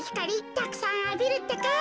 たくさんあびるってか。